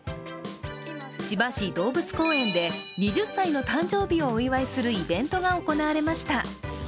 千葉市動物公園で２０歳の誕生日をお祝いするイベントが行われました。